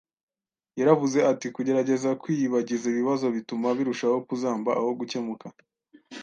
yaravuze ati kugerageza kwiyibagiza ibibazo bituma birushaho kuzamba aho gukemuka